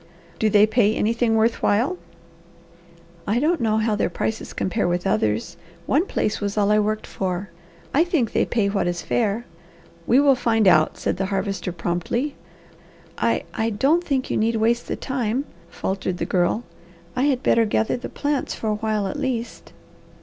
"Do they pay anything worth while?" "I don't know how their prices compare with others. One place was all I worked for. I think they pay what is fair." "We will find out," said the Harvester promptly. "I I don't think you need waste the time," faltered the Girl. "I had better gather the plants for a while at least."